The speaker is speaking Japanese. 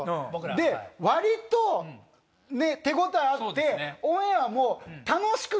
で割と手応えあってオンエアも。